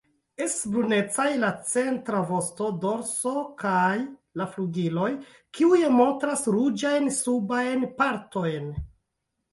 Estas brunecaj la centra vosto, dorso kaj la flugiloj, kiuj montras ruĝajn subajn partojn.